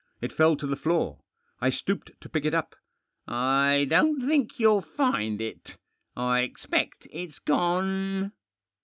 It fell to the floor. I stooped to pick it up. " I don't think you'll find it I expect it's gone."